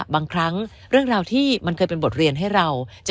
บางครั้งเรื่องราวที่มันเคยเป็นบทเรียนให้เรา